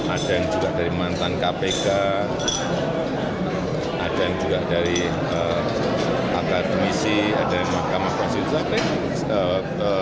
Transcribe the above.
ada yang juga dari mantan kpk ada yang juga dari agar demisi ada yang dari mahkamah kwasiwisata